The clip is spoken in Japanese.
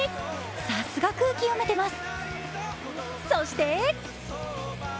さすが空気読めてます。